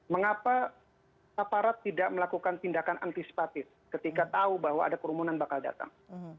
mengapa aparat tidak melakukan tindakan antisipatif ketika tahu bahwa ada kerumunan bakal datang